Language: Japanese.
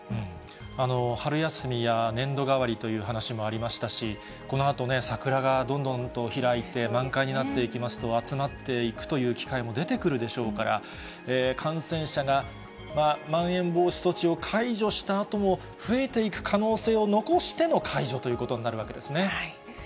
春休みや年度替わりという話もありましたし、このあとね、桜がどんどんと開いて、満開になっていきますと、集まっていくという機会も出てくるでしょうから、感染者がまん延防止措置を解除したあとも、増えていく可能性を残しての解除ということになるわけですね。